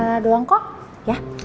ra doang kok ya